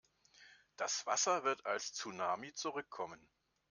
Das Wasser wird als Tsunami zurückkommen.